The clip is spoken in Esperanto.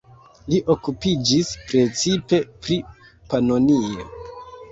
Li okupiĝis precipe pri Panonio.